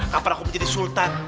kapan aku menjadi sultan